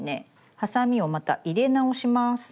ハサミをまた入れ直します。